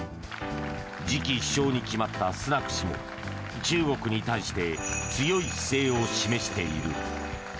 次期首相に決まったスナク氏も中国に対して強い姿勢を示している。